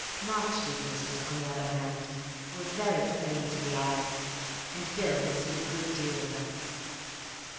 Mark's weaknesses, on the other hand, were very plain to the eye, and Bill had seen a good deal of them.